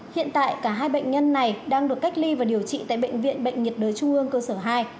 hiện tại cả hai bệnh nhân này đang được cách ly và điều trị tại bệnh viện bệnh nhiệt đới trung ương cơ sở hai